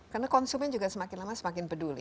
karena konsumen juga semakin lama semakin peduli